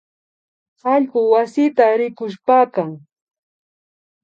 Allku wasita rikushpakan